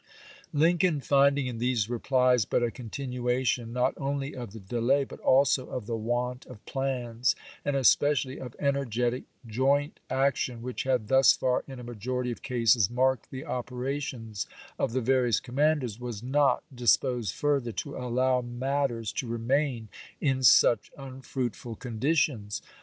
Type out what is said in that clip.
Lincoln, finding in these replies but a continua tion not only of the delay, but also of the want of plans, and especially of energetic joint action which had thus far in a majority of cases marked the operations of the various commanders, was not disposed further to allow matters to remain in such unfruitful conditions.